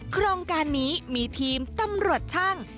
โครงการนี้มีทีมตำรวจช่าง